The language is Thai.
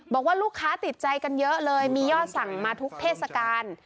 บอกว่าลูกค้าติดใจกันเยอะเลยมียอดสั่งมาทุกเทศกาล